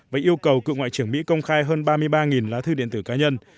và yêu cầu cựu ngoại trưởng mỹ công khai hơn ba mươi ba lá thư điện tử cá nhân